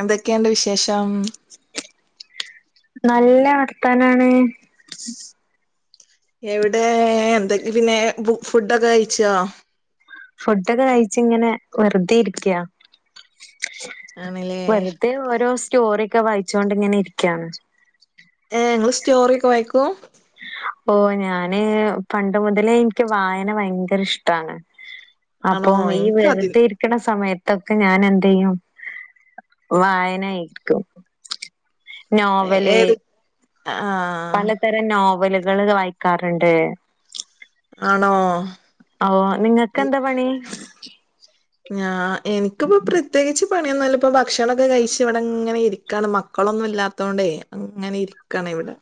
എന്തൊക്കെയുണ്ട് വിശേഷം നല്ല വർത്താനാണ് എവിടേ എന്തെങ്കിൽ പിന്നെ ഫുഡൊക്കെ കഴിച്ചോ ഫുഡൊക്കെ കഴിച്ച് ഇങ്ങനെ വെറുതെ ഇരിക്ക്യാ ആണല്ലേ വെറുതെ ഓരോ സ്റ്റോറിയൊക്കെ വായിച്ചുകൊണ്ട് ഇങ്ങനെ ഇരിക്ക്യാണ് ഏഹ് ങ്ങള് സ്റ്റോറി ഒക്കെ വായിക്കും ഓഹ് ഞാന് പണ്ടു മുതലേ എനിക്ക് വായന വയങ്കര ഇഷ്ടാണ് ആണോ അപ്പോം ഈ എനിക്കതി വെറുതെ ഇരി ക്കണ സമയത്തൊക്കെ ഞാൻ എന്തെയ്യും വായനായിരിക്കും നോവല് ഏത് ആഹ് പലതരം നോവലുകള് വായിക്കാറിണ്ട് ആണോ ആവോ ഉം, നിങ്ങക്ക്ക്കെന്താ പണി ഞാ എനിക്കിപ്പോ പ്രത്യേകിച്ച് പണി ഒന്നല്ല ഇപ്പ ഭക്ഷണൊക്കെ കഴിച്ച് ഇവിടെ ഇങ്ങനെ ഇരിക്കാണ് മ ക്കളൊന്നും ഇല്ലാത്തോണ്ടേ അങ്ങനെ ഇരിക്കാണ് ഇവിടെ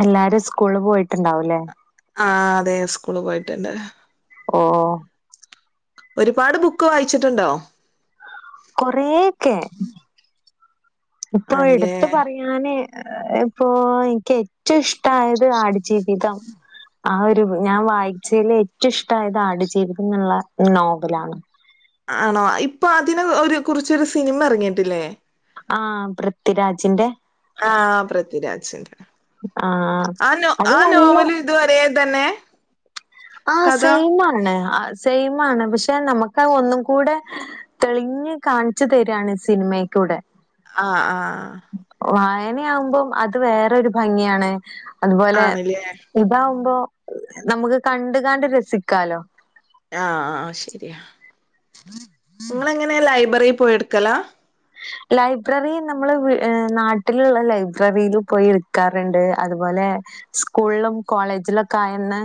എല്ലാരും സ്കൂള് പോയിട്ടുണ്ടാവൂ ല്ലേ ആഹ് അതെ സ്കൂള് പോയിട്ടുണ്ട് ഓഹ് ഒരുപാട് ബുക്ക് വായിച്ചിട്ടുണ്ടോ കൊറെയൊക്കെ ഇപ്പൊ ആണില്ലേ എടുത്തു പറി ഞാന് ഇപ്പോ എനിക്ക് ഏറ്റും ഇഷ്ടാ യത് ആടു ജീവിതം ആ ഒരു ഞാൻ വായിച്ചേല് ഏറ്റും ഇഷ്ടായത് ആടുജീവിതം ന്നുള്ള നോവലാണ് ആണോ ഇപ്പൊ അതിനെ ഒരു കുറിച്ചു രു സിനിമ ഇറങ്ങിയിട്ടില്ലേ ആഹ് പൃഥ്വിരാജിന്റെ ആഹ് പൃഥ്വിരാജ്ന്റെ ആഹ് ആ നോ അത് ആ നല്ല നോവല് ഇത്വരെയാ തന്നെ ആഹ് കഥ സെയിമാണ് ആഹ് സെയിമാണ് പക്ഷെ നമുക്കത് ഒന്നും കൂടെ തെളിഞ്ഞു കാണിച്ചു തരാണ് സിനിമേക്കൂടെ ആഹ് ആഹ് വായനയാവുമ്പം അത് വേറെരു ഭംഗിയാണ് അതുപോലെ ആണ്ല്ലേ ഇതാവുമ്പോ നമുക്ക് കണ്ട് കണ്ട് രസിക്കാലോ ആഹ് ആഹ് ശരിയാ ഇങ്ങൾ എങ്ങനെയാ ലൈബ്രറി പോയി എടുക്കലാ ലൈബ്രറി നമ്മള് വീ നാട്ടിലുള്ള ലൈബ്രറില് പോയി എടുക്കാറുണ്ട് അതുപോലെ സ്കൂളും കോളേജിലൊക്കെ ആയന്നെ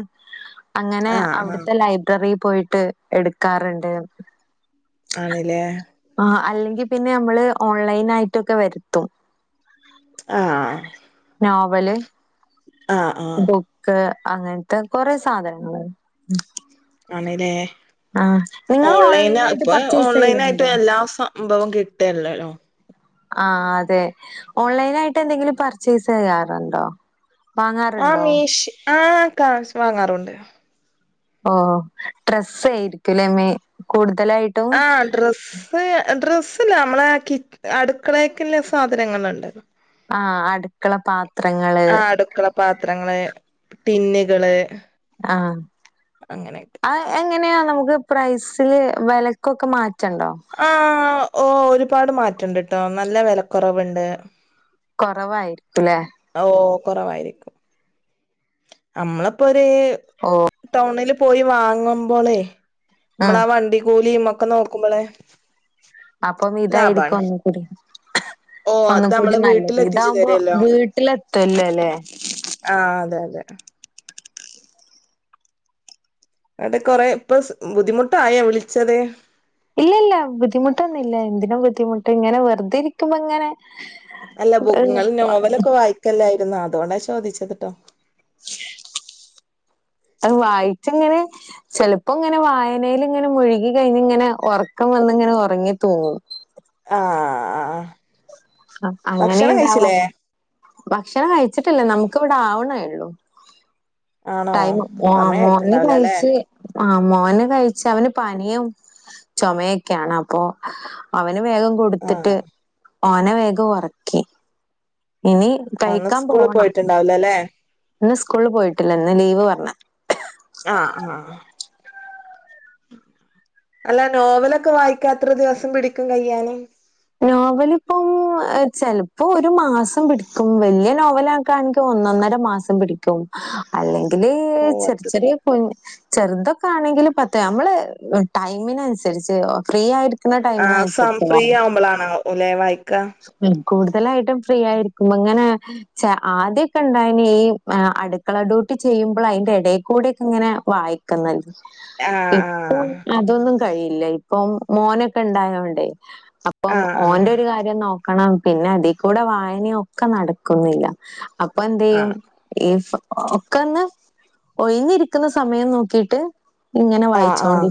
അങ്ങനെ ആഹ് ആഹ് അവിടുത്തെ ലൈബ്രറി പോയിട്ട് എടുക്കാറുണ്ട് ആണ്ല്ലേ ആഹ് അല്ലെങ്കിൽ പിന്നെ നമ്മള് ഓൺലൈനായിട്ടൊക്കെ വരുത്തും ആഹ് നോവല് ആഹ് ആഹ് ക്കെ അങ്ങനത്തെ കുറേ സാധനങ്ങള് ആണ് ല്ലേ ആഹ് നിങ്ങള് ഓൺലൈന് ഓൺലൈനായിട്ട് ഇപ്പൊ പർച്ചേസ് ഓൺലൈനായിട്ട് ചെയ്യലുണ്ടോ? എല്ലാ സം ഭവം കിട്ടല്ലല്ലോ ആഹ് അതെ ഓൺലൈനായിട്ട് എന്തെങ്കിലും പർച്ചേസ് ചെയ്യാറുണ്ടോ ആ വാങ്ങാറുണ്ടോ? മീഷ് ആഹ് കാഷ് വാങ്ങാറുണ്ട് ഓഹ് ഡ്രസ്സ്‌ ആയിരിക്കുലെ മേ കൂടുതലായി ആഹ് ഡ്രസ്സ്‌ സ്സ് ഡ്രെസ്സ്ല്ല നമ്മളെ കി അടുക്കളേക്കില്ല സാധനങ്ങളുണ്ട് ആഹ് അടുക്കള പാത്രങ്ങള് ആഹ് അടുക്കള പാത്രങ്ങള് ടിന്നുകള് ആഹ് അങ്ങനെയൊക്കെ ആഹ് എങ്ങനെയാ നമുക്ക് പ്രൈസില് വെലക്കൊക്കെ മാറ്റണ്ടോ ആഹ് ഓഹ് ഒരുപാട് മാറ്റണ്ട്ട്ടോ നല്ല വിലക്കുറവുണ്ട് കൊറവായിരിക്കുംല്ലേ ഓഹ് കൊറവായിരിക്കും നമ്മളപ്പോര് ഓഹ് ടൗണില് പോയി വാങ്ങുമ്പോളെ ഉം നമ്മളാ വണ്ടി കൂലിം ഒക്കെ നോ ക്കുമ്പളെ അപ്പം ഇതായിരിക്കും ഒന്നും കൂടി ഓ അത് ഒന്നും കൂടി നമ്മള് നല്ലത് വീട്ടിലെത്തിച്ചു ഇതാവുമ്പോ തരല്ലോ വീട്ടിലെത്തോല്ലൊല്ലേ ആഹ് അതെ അതെ ഇങ്ങട്ട് കൊറെ ഇപ്പ ബുദ്ധിമുട്ടായോ വിളിച്ചത് ഇല്ല ഇല്ല ബുദ്ധിമുട്ടൊന്നും ഇല്ല എന്തിന ബുദ്ധിമുട്ട് ഇങ്ങനെ വെറുതെ ഇരി ക്കുമ്പോ ഇങ്ങനെ ക്കലായിരുന്നോ അതുകൊണ്ടാ ചോദിച്ചതിട്ടോ അത് വായിച്ചിങ്ങനെ ചെലപ്പോ ഇങ്ങനെ വായനേലിങ്ങനെ മുഴുകി കഴിഞ്ഞ് ഇങ്ങനെ ഉറക്കം വന്നിങ്ങനെ ഉറങ്ങി തൂങ്ങും ആഹ് ആഹ് ആഹ് അങ്ങനെ ഇണ്ടാവാറ് ഭക്ഷണം കഴിച്ചിട്ടില്ല നമുക്ക് ഇവടെ ആവണേള്ളൂ ആണോ ടൈം മോന് സമയായിട്ടുണ്ടാവില്ല ല്ലേ കഴിച്ച് ആഹ് മോന് കഴിച്ച് അവന് പനിയും ചൊമയൊക്കെയാണ് അപ്പൊ അവന് വേഗം ആ കൊടുത്തിട്ട് ഓനെ വേഗം ഒറക്കി ആന്ന് സ്കൂളി പോവണം പോയിട്ടുണ്ടാവൂലല്ലെ ഇന്ന് സ്കൂളിൽ പോയിട്ടില്ല ഇന്ന് ലീവ് പറ്ഞ്ഞ ആഹ് ആഹ് ആഹ് അല്ല നോവലൊക്കെ വായിക്കാനെത്ര ദിവസം പിടിക്കും കയ്യാന് നോവലിപ്പം ഏഹ് ചെലപ്പോ ഒരു മാസം പിടിക്കും വലിയ നോവല നോവലക്കാണെങ്കി ഒന്നൊന്നര മാസം പിടിക്കും അല്ലെങ്കില് ഓ ചെറ് അത് ചെറിയെ ചെറുതൊക്കെ ആണെങ്കിൽ പത്ത് നമ്മള് ടൈമിനന്സര്ച്ച് ഫ്രീ ആയിരി ആഹ് സം ഫ്രീ ആവുമ്പോളണാ വേം വായിക്കാ ഉം കൂടുതലായിട്ടും ഫ്രീ ആയിരിക്കുമ്പങ്ങനെ ച ആദ്യൊക്കെ ണ്ടായ്നി ഈ അടുക്കള ഡ്യൂട്ടി ചെയ്യുമ്പോ അയിന്റെ എടെക്കൂടെ ഒക്കെങ്ങനെ വായിക്ക ക്കങ്ങല് ആഹ് ഇപ്പോ ആഹ് അതൊന്നും കഴിയില്ല ഇപ്പം മോനൊക്കെ ഇണ്ടായോണ്ടേയ് അപ്പം ആഹ് ഓന്റൊരു കാര്യ കാരിയം നോക്കണം പിന്നെ ഇതി കൂടെ വായനൊക്കെ നടക്കുന്നില്ല അപ്പന്തെയും ആഹ് ഈ ഫ ഓ ഒക്കൊന്ന് ഒയ്ഞ്ഞിര്ക്കുന്ന സമയം നോക്കീട്ട് ആഹ് ആഹ്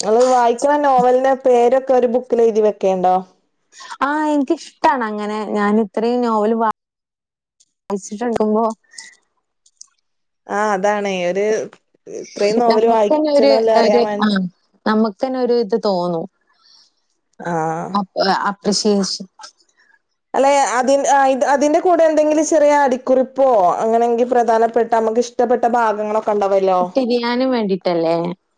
ഇങ്ങൾ വായിക്കണ നോവലിന്റെ പേരൊക്കെ ഒരു ബുക്കിലെയ്തി വെക്കല്ണ്ടോ? ആഹ് ഇന്ക്കിഷ്ടാണങ്ങനെ ഞാൻ ഇത്രേം നോവല് വായ് യ്ച്ചിട്ട്ട്ടുണ്ടാവ്വോ? ആഹ് അതാണേയ് ഒരു ഇത്രയും നോവല് വായ്ച്ച്ണോ ഇല്ലോ അറിയാൻ വേണ്ടി - നമുക്കെന്നെ ഒരു ഇത് തോന്നും. ആഹ് അപ്രിഷിയേഷന് അല്ലെയ് അതിൻ അയ് ആഹ് ഇത് അതിന്റെ കൂടെ എന്തെങ്കിലും ചെറിയ അടിക്കുറുപ്പോ അങ്ങനെങ്കി പ്രധാനപ്പെട്ട നമുക്കിഷ് ഇഷ്ടപ്പെട്ട ഭാഗങ്ങളോ തിരിയാനും വേണ്ടിട്ടല്ലേ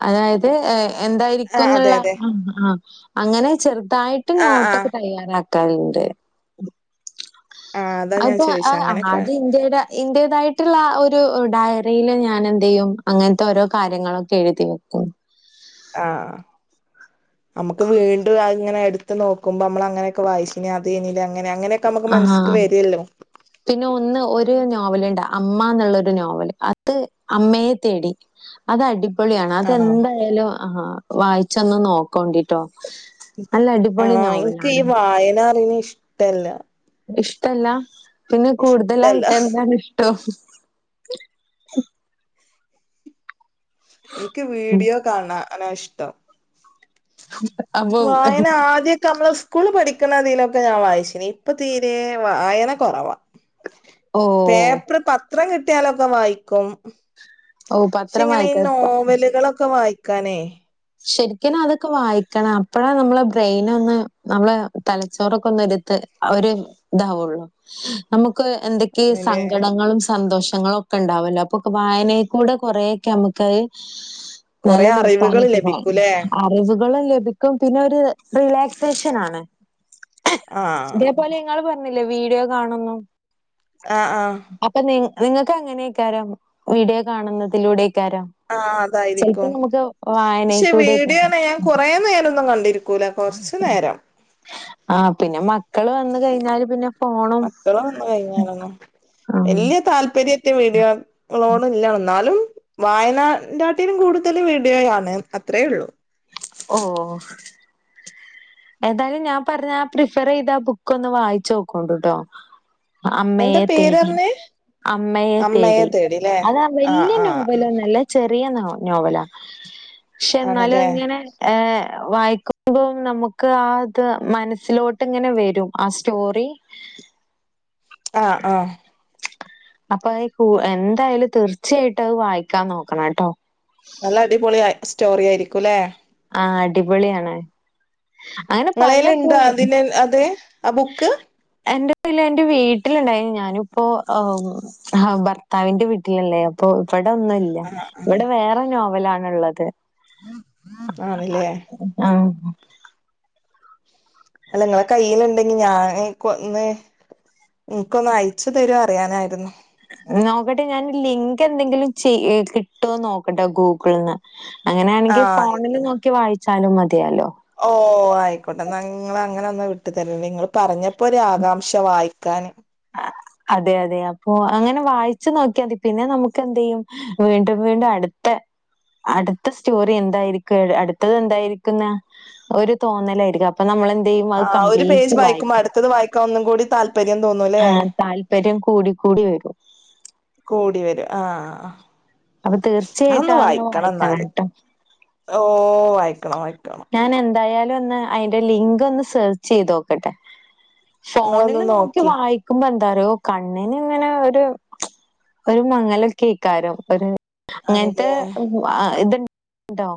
അതായത് ഏഹ് എന്തായിരിക്കും ആഹ് അതെ ന്ന്ള്ള അതെ ആഹ് ആഹ് അങ്ങനെ ചെറുതായിട്ട് ആഹ് നോട്ടൊക്കെ ആഹ് തയ്യാറാക്കും ക്കണ്ട് ആഹ് അതാ ഞാൻ അപ്പൊ ചോദിച്ചെ ആഹ് അങ്ങനെയൊക്കെ അതിന്റേടെ ഇന്റേതായിട്ടുള്ള ഒരു ഡയറില് ഞാനെന്തിയും അങ്ങന് ത്തെ ഓരോ കാര്യങ്ങളൊക്കെ എഴുതി വെക്കും. ആഹ് നമ്മക്ക് വീണ്ടും അഹ് അങ്ങനെ എടുത്ത് നോക്കുമ്പോ മ്മള് അങ്ങനൊക്കെ വായിച്ചിനിലേ അതേനിലേ അങ്ങനെ അങ്ങനെ ആഹ് പിന്നെ ഒന്ന് ഒരു നോവലുണ്ട് അമ്മ ന്ന്ള്ളൊരു നോവല്. അത് അമ്മയെ തേടി അതടിപൊളിയാണ് ആണോ അതെന്തായാലും ആഹ് വായിച്ചൊന്ന് നോക്കോണ്ടിട്ടോ? നല്ല അടിപൊളി ആഹ് ഇൻക്ക് ഈ നോവലാണ്. വായന അറിണ് ഇഷ്ടല്ല ഇഷ്ടല്ല പിന്നെ ഇഷ്ടല്ല കൂടുതലായിട്ടെന്താണ് ഇഷ്ടം. ഇന്ക്ക് വീഡിയോ കാണാനാ ഇഷ്ടം. അപ്പം വായന ആദ്യക്കെ നമ്മളെ സ്കൂ സ്കൂള് പഠിക്ക്ണാതിലൊക്കെ ഞാൻ വായിചീനു ഇപ്പൊ തീരെ വായന കൊറവാ ഓഹ്. പേപ്പർ പത്രം കിട്ടിയാലൊക്കെ വായിക്കും. ഓഹ് പക്ഷെ പത്രം ഇങ്ങനെ ഈ വായിക്ക നോവലുകളൊക്കെ വായിക്കാനേ ശെരിക്ക്നും അതൊക്കെ വായിക്കണം അപ്പഴ നമ്മളെ ബ്രെയ്നൊന്ന് നമ്മളെ തലച്ചോറൊക്കൊന്ന് എട്ത്ത് ഒരു താവെള്ളൂ. നമുക്ക് എന്തൊക്കെ ആണല്ലേ സങ്കടങ്ങളും സന്തോഷങ്ങളും ഒക്കെണ്ടാവല്ലോ അപ്പൊ വായനേക്കൂടെ കുറേക്കെ നമുക്കത് കൊറേ അറിവ്കള് ഉം അറിവുകള് ലഭിക്കും പിന്നെ ഒരു റിലാക്സേഷനാണ്. ആഹ് ഇതേപോലെ നിങ്ങള് പറഞ്ഞില്ലേ വീഡിയോ കാണുന്നു ആഹ് ആഹ് അപ്പൊ നി നിങ്ങക്ക് എങ്ങനെക്കാരം വീഡിയോ കാണുന്നതിലൂടെക്കാരം. ആഹ് അതായിരിക്കും പക്ഷെ വീഡിയോ വായനയിൽക്കൂടെയ്ക്കാരം. ണ് ഞാൻ കുറേ നേരൊന്നും കണ്ടിരിക്കൂല കൊറച്ച് നേരം ആഹ് പിന്നെ മക്കള് വന്ന് കഴിഞ്ഞാല് പിന്നെ ഫോണും മക്കള് വന്ന് കഴിഞ്ഞാലൊന്നും ആഹ് വല്യേ താല്പര്യ ത്തി വീഡിയോകളോട് ല്ല ന്നാലും വയനാന്റാട്ടിലും കൂടുതൽ വീഡിയോയാണ് അത്രേയുള്ളൂ. ഓഹ് ഏതായാലും ഞാൻ പറഞ്ഞ ആ പ്രിഫറീതാ ബുക്കൊന്ന് വായിച്ചോക്കോണ്ടുട്ടോ എന്താ അമ്മയെ തേടി പേരറിഞ്ഞേ അമ്മയെ തേടി അത് ആഹ് വല്ല്യ ആഹ് നോവലൊന്നല്ല ചെറിയ ന നോവലാ പക്ഷെ എന്നാലും ആണല്ലേ ഇങ്ങനെ ഹേ വായിക്കുമ്പം നമുക്ക് ആ ഇത് മനസ്സിലോട്ട് ഇങ്ങനെ വരും ആ സ്റ്റോറി [inaudible] ആ ആഹ് അപ്പൊ അ എന്തായാലും തീർച്ചയായിട്ടും അത് വായിക്കാൻ നോക്കണട്ടോ. നല്ല അടിപൊളി സ്റ്റോറി ആയിരിക്കുംല്ലെ? ആഹ് അടിപൊളിയാണ്. അങ്ങനെ ഇങ്ങളേല് ഇണ്ട പല അതി അത് ആ ബുക്ക് എന്റെയില എന്റെ വീട്ടിലുണ്ടായിരുന്നു ഞാനിപ്പോ ആഹ് ആഹ് ഭർത്താവിന്റെ വീട്ടിലല്ലേ അപ്പൊ ഇവിടെ ഒന്നുംല്ല ഇവിടെ വേറെ നോവലാണുള്ളത് ആണ്ല്ലേ? ആഹ് അല്ല നിങ്ങളെ കയ്ൽണ്ടെങ്കി ഞാൻ കൊന്ന് നിക്ക് ഒന്ന് അയച്ചു തരോ അറിയാനായിരുന്നു നോക്കട്ടെ ഞാൻ ലിങ്ക് എന്തെങ്കിലും ചെയ കിട്ടോന്ന് നോക്കട്ടെ ഗൂഗിളിൽ ന്ന്. അങ്ങനെയാണെങ്കി ഫോണില് ആഹ് നോക്കി വായിച്ചാലും മതിയാലോ. ഓ ആയിക്കോട്ടെ ഇന്നങ്ങള് അങ്ങനെന്നാ വിട്ടു തര നിങ്ങള് പറഞ്ഞ പ്പ ഒരു ആകാംക്ഷ വായിക്കാന്. ആ, അതെ അതെ അപ്പൊ അങ്ങനെ വായിച്ചു നോക്കിയാൽ മതി പിന്നെ നമുക്ക് എന്ത് ചെയ്യും വീണ്ടും വീണ്ടും അടുത്ത അടുത്ത സ്റ്റോറി എന്തായിരിക്കും അടുത്തത് എന്തായിരിക്കുന്ന ഒരു തോന്നലായിരിക്കും. അപ്പൊ നമ്മളെന്ത് ചെയ്യും അത് കംപ്ലീറ്റ് വായിക്കും ഒന്ന് കൂടി താല്പം പര്യം തോന്നു ആ താൽപര്യം കൂടി കൂടി വരും. കടി വരും ആഹ് അപ്പൊ അ തീർച്ചയായിട്ടും ഒന്ന് അതൊന്ന് വായിക്കണം ഇന്നാല്. ട്ടോ. ഓ വായിക്കണം വായിക്കണം. ഞാൻ എന്തായാലും ഒന്ന് അതിന്റെ ലിങ്ക് ഒന്ന് സെർച്ച് ചെയ്ത് നോക്കട്ടെ ഫോണില് നോക്കി വായി ക്കുമ്പ എന്താറയോ കണ്ണിന് ഇങ്ങനെ ഒരു ഒരു മങ്ങലൊക്കക്കാരും ഒരു അങ്ങനത്തെ ആണല്ലേ ഒരു - ആ ഇത് ഇണ്ടോ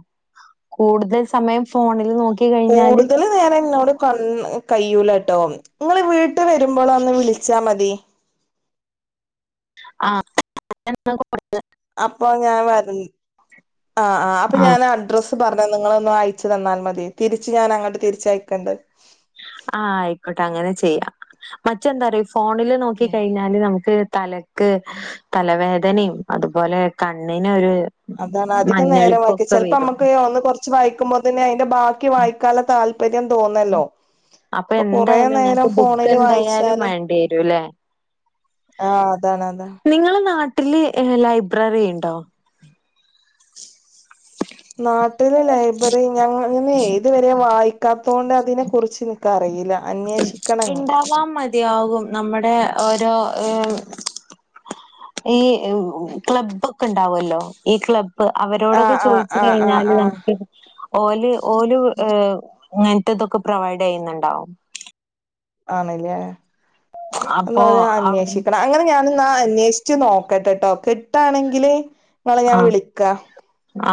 കൂടുതൽ സമയം ഫോണിൽ നോക്കി- കഴിഞ്ഞാല് കൂടുതൽ നേരം എന്നോട് കണ് കയ്യൂലാ കേട്ടോ നിങ്ങള് വീട്ടി വരുമ്പോൾ ഒന്ന് വിളി ച്ച മതി ആഹ് അങ്ങനെ എന്തോ ഒക്കെ പറഞ് അപ്പൊ ഞാൻ വരരാം ആഹ് ആഹ് അപ്പൊ ഞാൻ അഡ്രസ്- പറഞ്ഞ നിങ്ങള് ഒന്ന് അയച്ചു തന്നാൽ മതി തിരിച്ച് ഞാൻ അങ്ങോട്ട് തിരിയക്കണ്ട്. ആഹ് ആയിക്കോട്ടെ അങ്ങനെ ചെയ്യാം മറ്റെന്താറിയോ ഫോണില് നോക്കി ഉം കഴിഞ്ഞാ- എന്ന് പറഞ്ഞാല് നമുക്ക് തലക്ക് തലവേദനയും അതുപോലെ കണ്ണന് ഒരു- അതാണ് അധികം നേരം വായിക്കാൻ ചെലപ്പോ നമ്മുക്ക് ഒന്ന് കൊറച്ച് വായിക്കുമ്പോ തന്നെ അതിന്റെ ബാക്കി വായിക്കാനുള്ള താൽപ പര്യം തോന്നല്ലോ അപ്പൊ കൊറ എന്തായാലും ഇങ്ങക്ക് നേരം ബുക്ക് ഫോണില് എന്തായാലും വായിച്ചാല്- വേണ്ടി വരൂല്ലേ ആഹ് അതാണ് അതാ. നിങ്ങളെ നാട്ടില് ലൈബ്രറി ഉണ്ടോ? നാട്ടില് ലൈബ്രറി ഞങ്ങെനെ ഇതു വരെയും വായിക്കാത്തോണ്ട് അതിനെ കുറിച്ച് - എനിക്ക് അറിയില്ല ഇണ്ടാവാ മതിയാകും നമ്മുടെ ഓരോ ഏഹ് ഈ ക്ലബ്ബ് ഒക്കെ ഇണ്ടാവല്ലോ ഈ ക്ലബ്- ബ്ബ് ആഹ് അവരോടൊക്കെ ആഹ് ചോദിച്ചു ആഹ് ആഹ് കഴിഞ്ഞാല് ആഹ് നമുക്ക്- ഓല് ഓലു ഇങ്ങെനത്തെ ഒക്കെ പ്രൊവൈഡ് ചെയ്യുന്നുണ്ടോ ആണ് അല്ലേ ഒന്ന് അപ്പൊ പോയി അവിടുന്ന് അന്വേഷിക്കണം. അങ്ങനെ ഞാനൊന്ന് അന്വേഷിച്ച് നോക്കട്ടെട്ടോ കിട്ടാണെങ്കിൽ. നിങ്ങളെ ഞാൻ ആഹ് വിളിക്കാം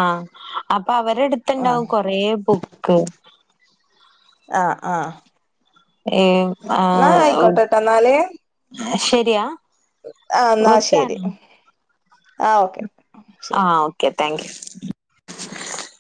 ആഹ് അപ്പ അവരെടെ അടുത്ത് ആഹ് ഉണ്ടാവും കൊറെ ബുക്ക്‌ ആഹ് ആഹ്. ഏയ് എന്നാ ആഹ് ആയിക്കോട്ടെട്ടോ എന്നാല് അയ് ശരിയാ. ആഹ് എന്നാ ശെരി വെക്കാണോ ആ ഓക്കെ. ശരി ആഹ് ഓക്കെ, താങ്ക് യു.